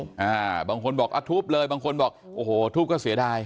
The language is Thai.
อ่าบางคนบอกอ่ะทุบเลยบางคนบอกโอ้โหทุบก็เสียดาย